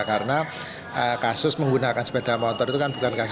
karena kasus menggunakan sepeda motor itu kan bukan kasusnya